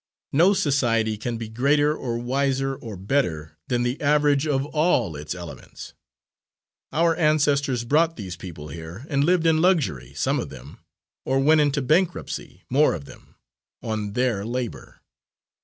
No society can be greater or wiser or better than the average of all its elements. Our ancestors brought these people here, and lived in luxury, some of them or went into bankruptcy, more of them on their labour.